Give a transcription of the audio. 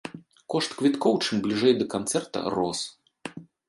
Кошт квіткоў чым бліжэй да канцэрта рос.